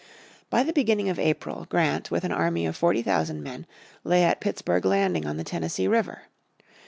By the beginning of April Grant with an army of forty thousand men lay at Pittsburg Landing on the Tennessee River.